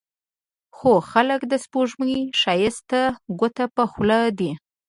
خو خلک د سپوږمۍ ښايست ته ګوته په خوله دي